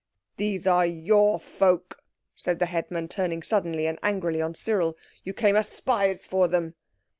"These are your folk," said the headman, turning suddenly and angrily on Cyril, "you came as spies for them."